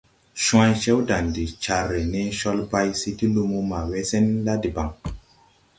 Cwa̧y, Cewdandi car re ne Colbay se ti lumo ma we sen la debaŋ.